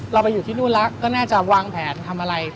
เราไปอยู่ที่นู่นแล้วก็น่าจะวางแผนทำอะไร